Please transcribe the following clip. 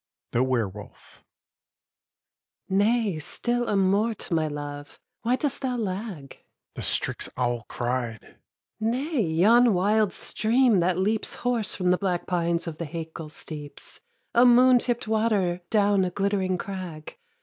THE WERE WOLF SHE. Nay; still amort, my love? Why dost thou lag? HE. The strix owl cried. SHE. Nay! yon wild stream that leaps Hoarse from the black pines of the Hakel steeps, A moon tipped water, down a glittering crag.